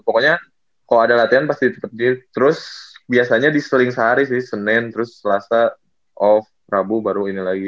pokoknya kalau ada latihan pasti tetep di terus biasanya diseling sehari sih senin terus selasa off rabu baru ini lagi